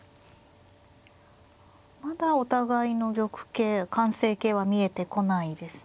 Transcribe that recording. まだお互いの玉形完成形は見えてこないですね。